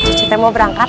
cucu teh mau berangkat